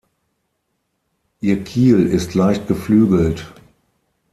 Ihr Kiel ist leicht geflügelt.